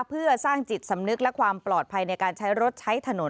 เพื่อสร้างจิตสำนึกและความปลอดภัยในการใช้รถใช้ถนน